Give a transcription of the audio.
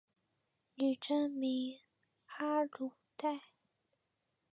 女真名阿鲁带。